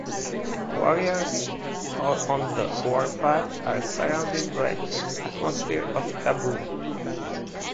Warriors on the warpath are surrounded by an atmosphere of taboo.